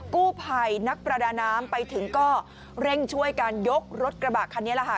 กู้ภัยนักประดาน้ำไปถึงก็เร่งช่วยการยกรถกระบะคันนี้แหละค่ะ